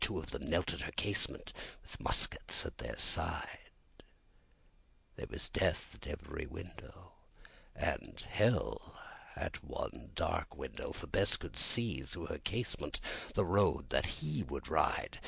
Two of them knelt at her casement, with muskets by their side; There was Death at every window, And Hell at one dark window, For Bess could see, through her casement, the road that he would ride.